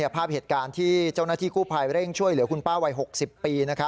ภาพเหตุการณ์ที่เจ้าหน้าที่กู้ภัยเร่งช่วยเหลือคุณป้าวัย๖๐ปี